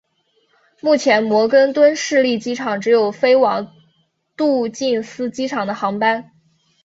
目前摩根敦市立机场只有飞往杜勒斯机场的航班。